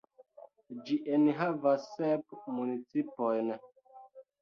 Ĝi enhavas sep municipojn.